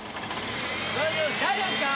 大丈夫です大丈夫ですか？